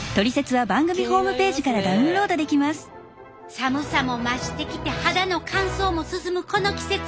寒さも増してきて肌の乾燥も進むこの季節。